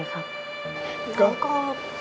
น้องก็แข็งแรงปกตินะครับ